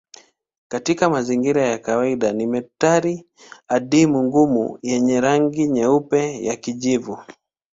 Katika mazingira ya kawaida ni metali adimu ngumu yenye rangi nyeupe ya kijivu.